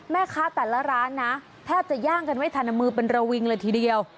แม่ค้าแต่ละร้านนะแทบจะย่างกันไม่ทันมือเป็นระวิงเลยทีเดียว